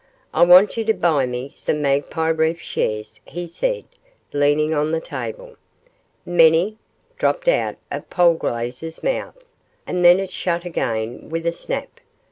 'I want you to buy me some Magpie Reef shares,' he said, leaning on the table. 'Many?' dropped out of Polglaze's mouth, and then it shut again with a snap.